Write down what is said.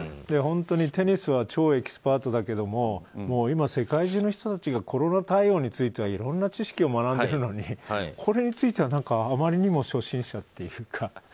本当にテニスは超エキスパートだけども今、世界中の人たちがコロナ対応についてはいろんな知識を学んでるのにこれについてはあまりにも初心者っていうか。